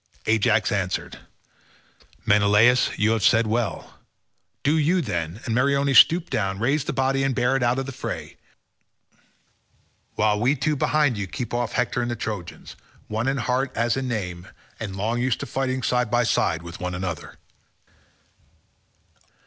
Ajax answered, "Menelaus, you have said well: do you, then, and Meriones stoop down, raise the body, and bear it out of the fray, while we two behind you keep off Hector and the Trojans, one in heart as in name, and long used to fighting side by side with one another."